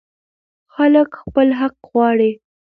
خلک خپل حق غواړي.